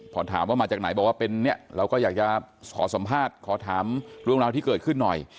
พอถามว่ามาจากไหนบอกว่าเป็นเนี่ยเราก็อยากจะขอสัมภาษณ์ขอถามเรื่องราวที่เกิดขึ้นหน่อย